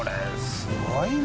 すごいよ。